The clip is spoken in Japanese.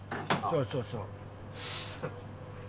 そうそうそう。